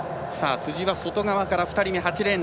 辻は外側から２人目８レーン。